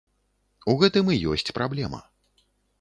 У гэтым і ёсць праблема.